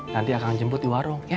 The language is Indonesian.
nanti akan jemput di warung